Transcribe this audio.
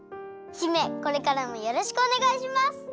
姫これからもよろしくおねがいします！